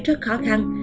rất khó khăn